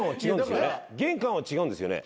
玄関は違うんですよね？